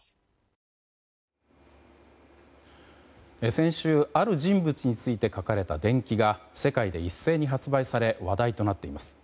先週、ある人物について書かれた伝記が世界で一斉に発売され話題となっています。